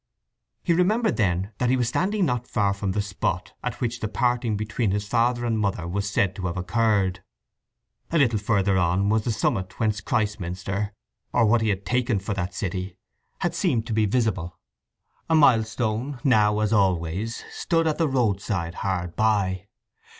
He remembered then that he was standing not far from the spot at which the parting between his father and his mother was said to have occurred. A little further on was the summit whence Christminster, or what he had taken for that city, had seemed to be visible. A milestone, now as always, stood at the roadside hard by.